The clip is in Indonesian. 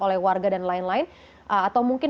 oleh warga dan lain lain atau mungkin